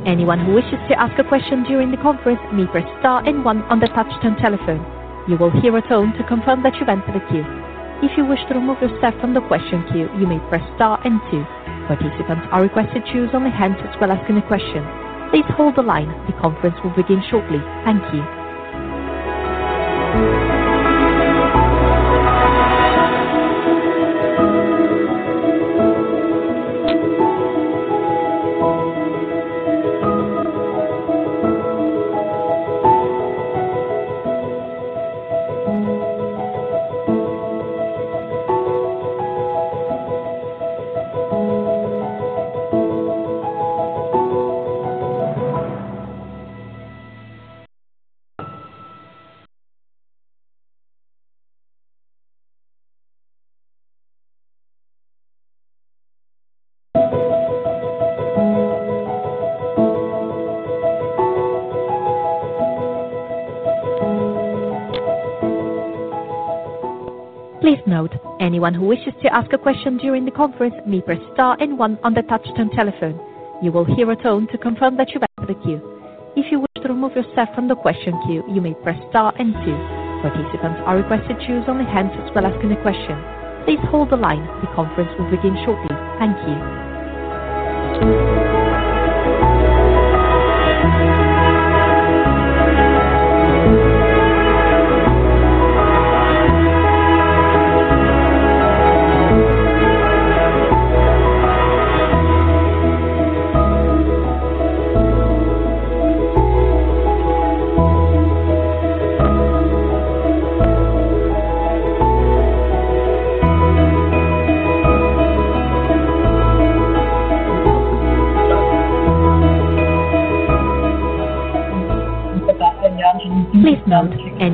Please hold the line. The conference will begin shortly. Thank you.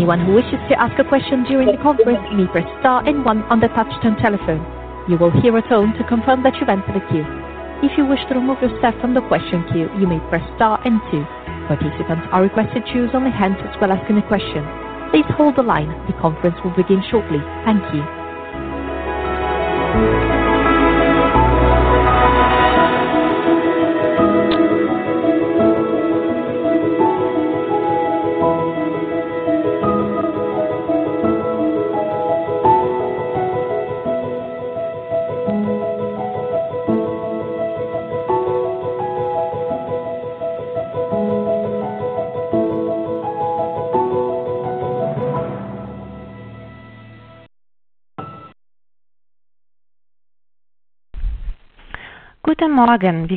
My name is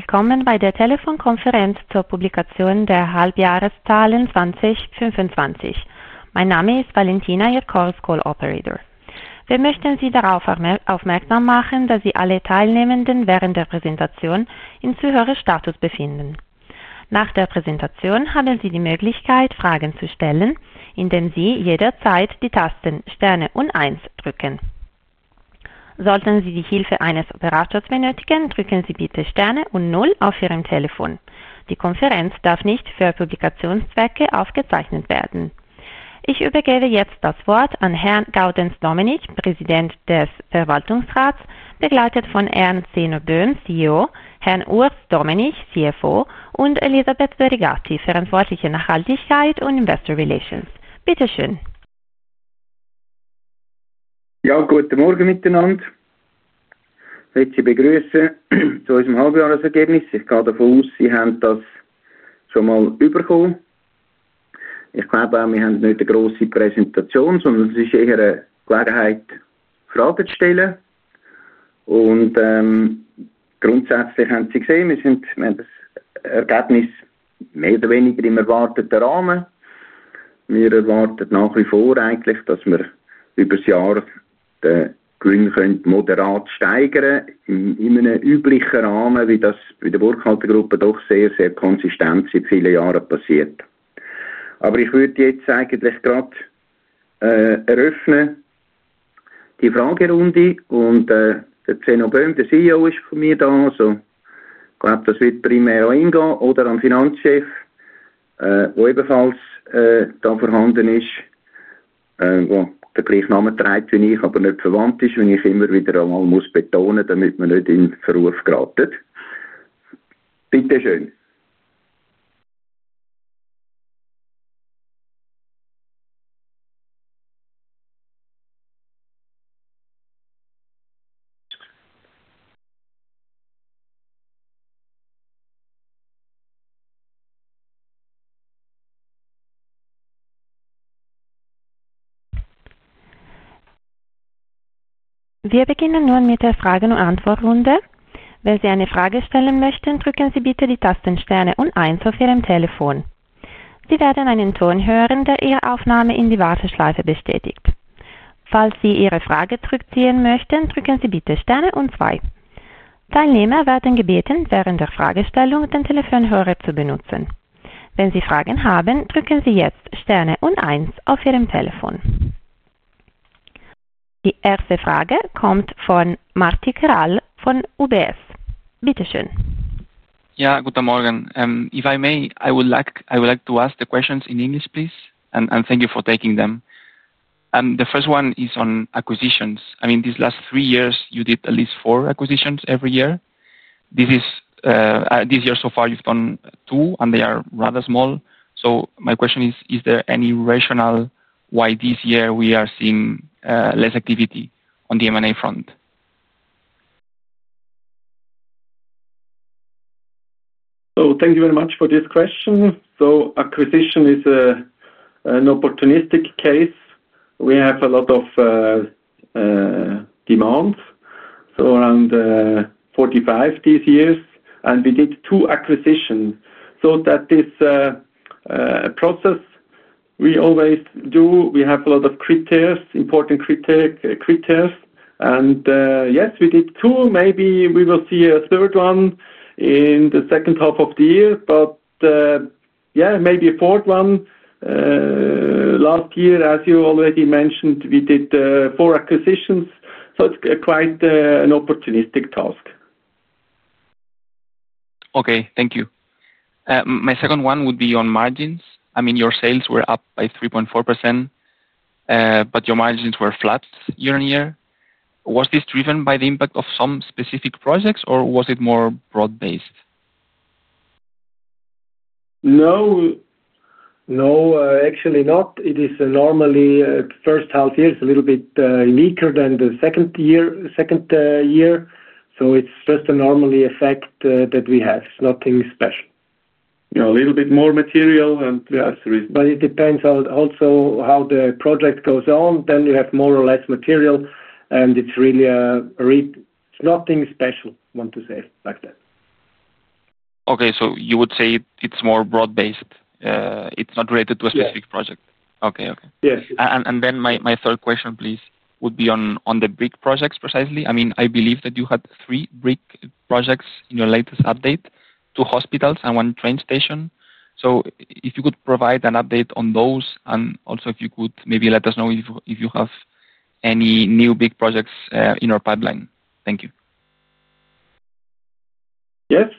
Valentina, your Chorus Call operator. Telephone. Yes. Good morning. If I may, I would to ask the questions in English, please, and thank you for taking them. And the first one is on acquisitions. I mean, these last three years, you did at least four acquisitions every year. This is this year, so far, you've done two, and they are rather small. So my question is, is there any rationale why this year we are seeing less activity on the M and A front? So thank you very much for this question. So acquisition is an opportunistic case. We have a lot of demand, so around 45 these years and we did two acquisitions. So that is a process we always do. We have a lot of critters, important critters. And yes, we did two, maybe we will see a third one in the second half of the year. But yes, maybe a fourth one. Last year, as you already mentioned, we did four acquisitions. So it's quite an opportunistic task. Okay. Thank you. My second one would be on margins. I mean, your sales were up by 3.4%, but your margins were flat year on year. Was this driven by the impact of some specific projects, or was it more broad based? No. No. Actually, not. It is normally first half year is a little bit, weaker than the second year second year, so it's just a normal effect, that we have. It's nothing special. Yeah. A little bit more material and yeah. But it depends on also how the project goes on, then you have more or less material, and it's really a read nothing special, want to say, like that. Okay. So you would say it's more broad based. It's not related to a specific project. Okay. Okay. Yes. And and then my my third question, please, would be on on the big projects precisely. I mean, I believe that you had three big projects in your latest update, two hospitals and one train station. So if you could provide an update on those, and also if you could maybe let us know if if you have any new big projects in our pipeline. Thank you. Yes.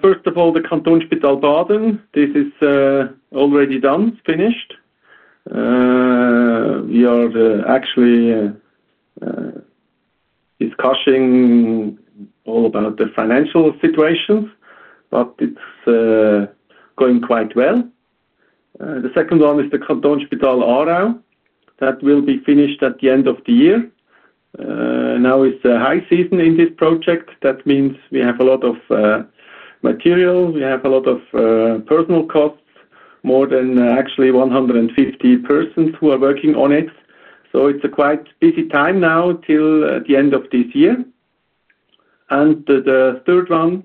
First of all, the Cantonspital Baden. This is already done, finished. We are actually discussing all about the financial situations, but it's going quite well. The second one is the Kontornchpital Arau that will be finished at the end of the year. Now it's high season in this project. That means we have a lot of material. We have a lot of personal costs, more than actually 150 persons who are working on it. So it's a quite busy time now till the end of this year. And the third one,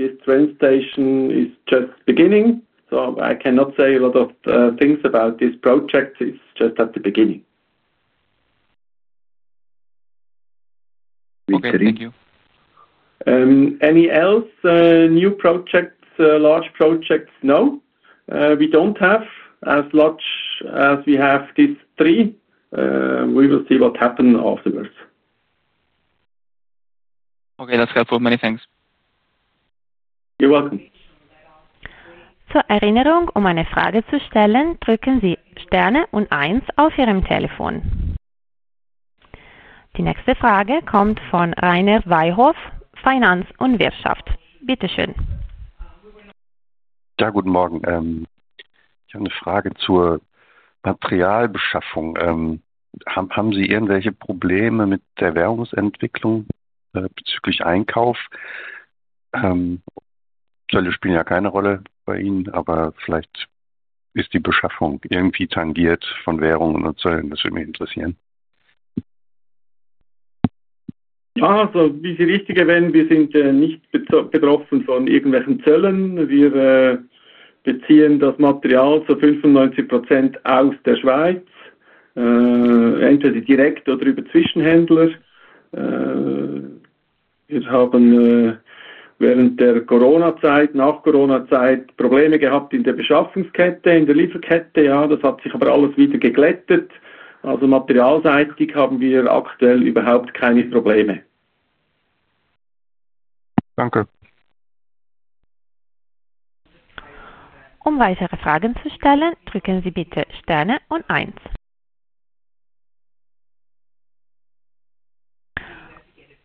this train station is just beginning. So I cannot say a lot of things about this project. It's just at the beginning. Okay. Thank you. Any else new projects, large projects? No. We don't have as large as we have these three. We will see what happen afterwards. Okay. That's helpful. Many thanks. You're welcome. Telephone. Finance the Yes. Thank you. I just have a follow-up. Could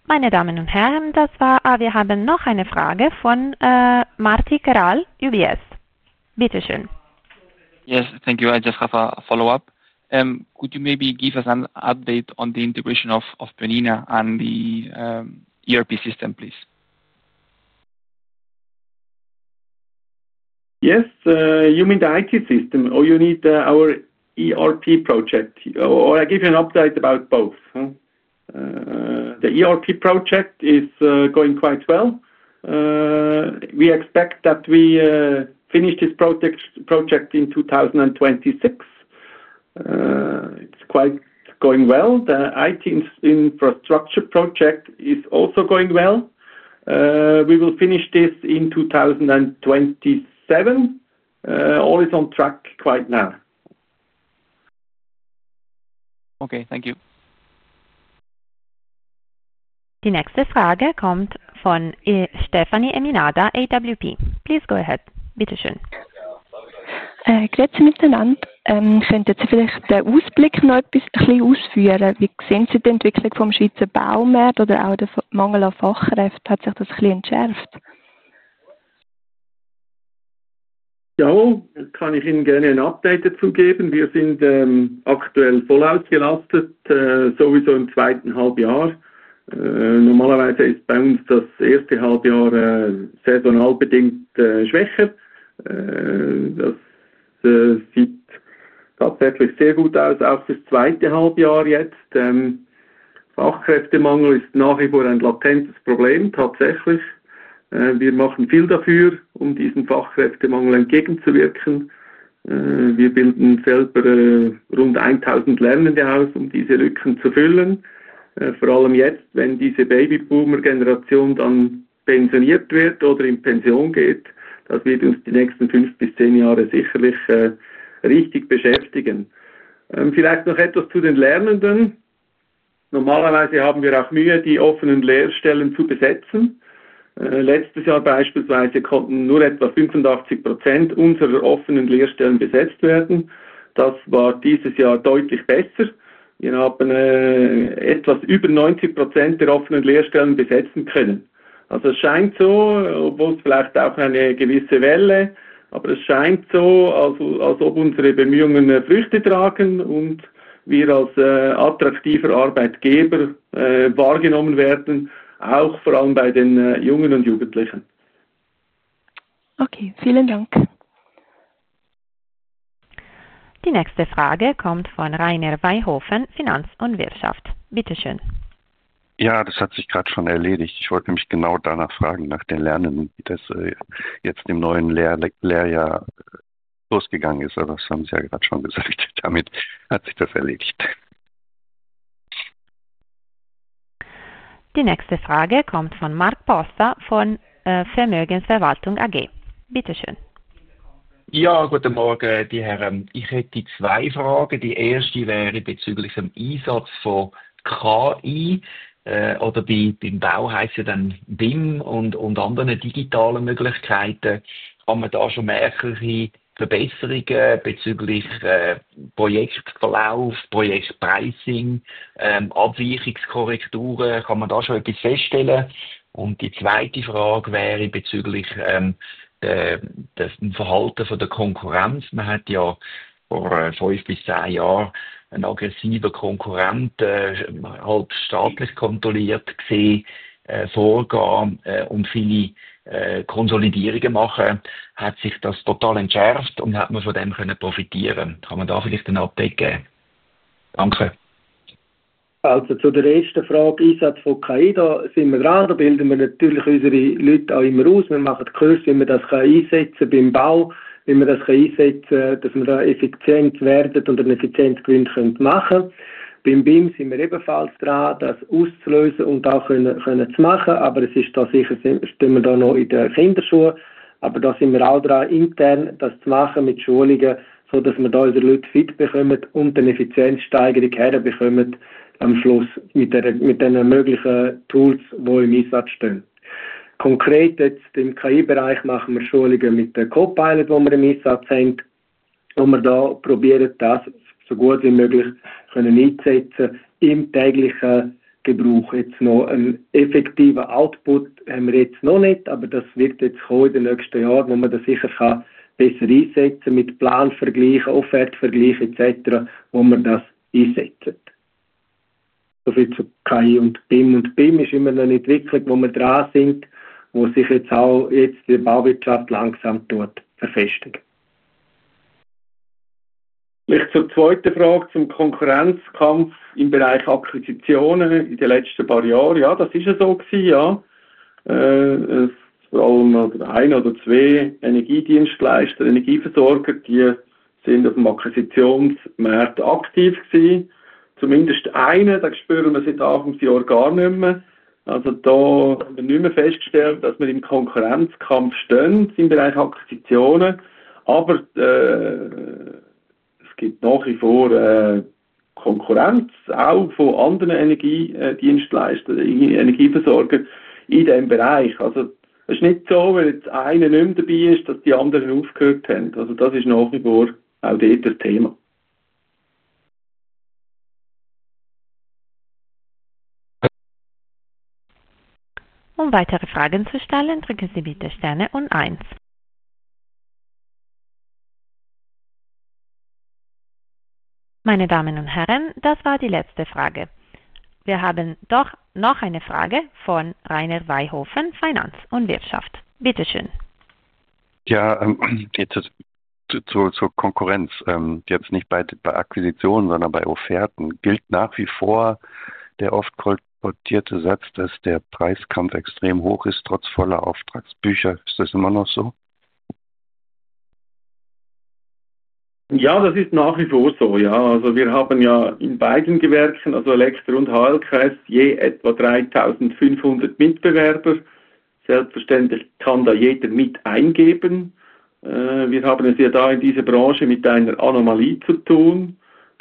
you maybe give us an update on the integration of of Prenina and the ERP system, please? Yes. You mean the IT system or you need our ERP project? Or I give you an update about both. The ERP project is going quite well. We expect that we finish this project in 2026. It's quite going well. The IT infrastructure project is also going well. We will finish this in 2027. All is on track quite now. Okay. Thank you. The next is from Stephanie Eminada, AWP. Please go ahead. Okay. The next comes from Mark Posa from. Yeah. Good morning. The ASG for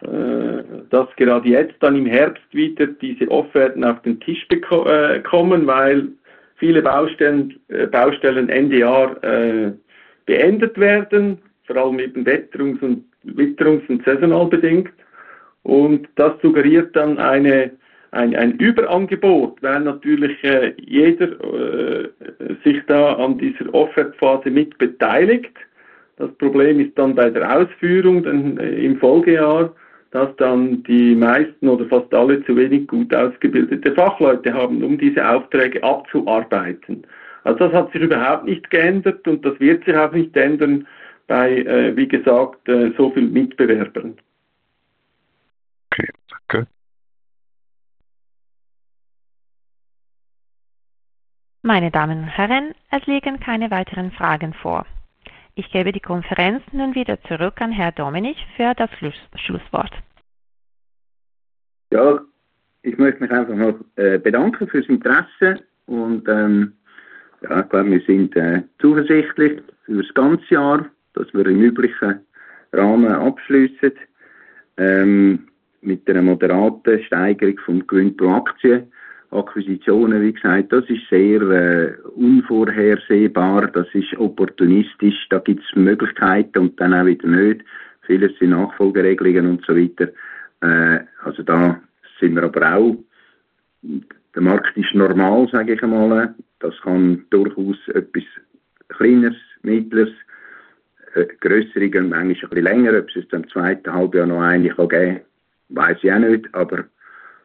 CAR E, common while